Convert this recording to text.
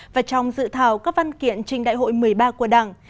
và trong dự thảo các văn kiện trình đại hội một mươi ba của đảng